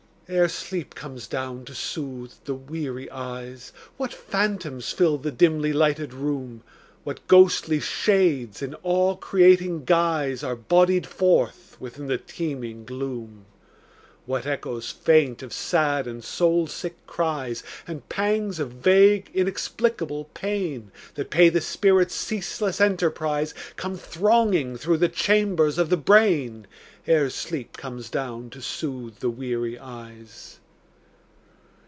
Ere sleep comes down to soothe the weary eyes, What phantoms fill the dimly lighted room; What ghostly shades in awe creating guise Are bodied forth within the teeming gloom. What echoes faint of sad and soul sick cries, And pangs of vague inexplicable pain That pay the spirit's ceaseless enterprise, Come thronging through the chambers of the brain Ere sleep comes down to soothe the weary eyes.